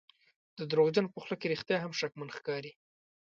د دروغجن په خوله کې رښتیا هم شکمن ښکاري.